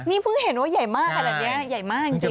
นี่เพิ่งเห็นว่าใหญ่มากขนาดนี้ใหญ่มากจริง